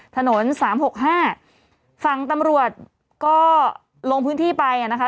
ถนนสามหกห้าฝั่งตำรวจก็ลงพื้นที่ไปอ่ะนะคะ